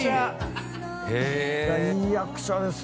いい役者です。